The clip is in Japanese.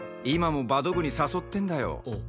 今もバド部に誘ってんだよ。